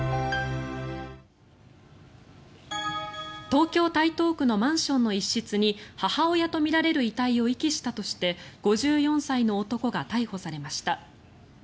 東京・台東区のマンションの一室に母親とみられる遺体を遺棄したとして５４歳の男が逮捕されました。